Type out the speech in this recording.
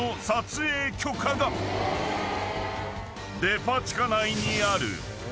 ［デパ地下内にある］